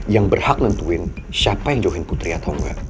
yang berhak nentuin siapa yang johin putri atau enggak